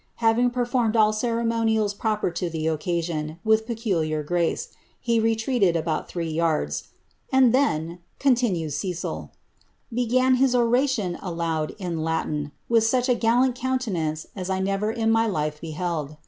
Having performed all ceremonials proper to oecation, with peculiar grace, he retreated about thi>ee yards, ^ and D,'' contioues Cecil, ^ began his oration, aloud, in Latin, ¥rith such a Lant countenance as I never in my life beheld.